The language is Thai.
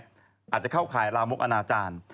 อาจจะเข้าข่ายลามกอนาจารย์